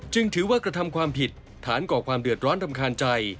ถือว่ากระทำความผิดฐานก่อความเดือดร้อนรำคาญใจ